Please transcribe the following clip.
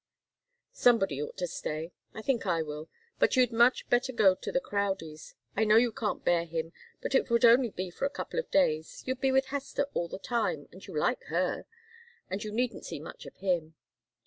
"Somebody ought to stay. I think I will. But you'd much better go to the Crowdies'. I know you can't bear him, but it would only be for a couple of days. You'd be with Hester all the time, and you like her, and you needn't see much of him."